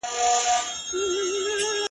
ستادی ،ستادی، ستادی فريادي گلي،